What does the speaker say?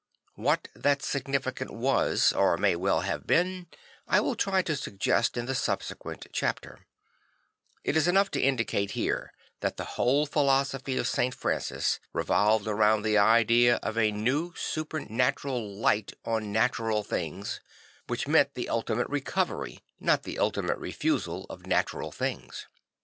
What that significance was, or may well have been, I will try to suggest in the subsequent chapter; it is enough to indicate here that the whole philosophy of St. Francis revolved round the idea of a new supernatural Francis the Builder 63 light on natural things, which meant the ultimate recovery not the ultimate refusal of natural things.